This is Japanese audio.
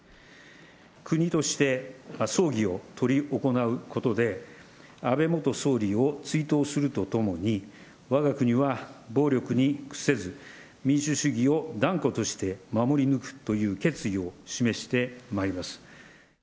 国として葬儀を執り行うことで、安倍元総理を追悼するとともに、わが国は暴力に屈せず、民主主義を断固として守り抜くという決意を示してまいります。